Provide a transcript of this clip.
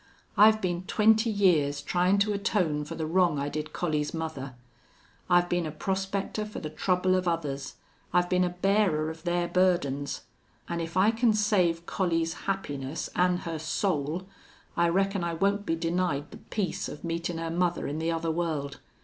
I've been twenty years tryin' to atone for the wrong I did Collie's mother. I've been a prospector for the trouble of others. I've been a bearer of their burdens. An' if I can save Collie's happiness an' her soul, I reckon I won't be denied the peace of meetin' her mother in the other world....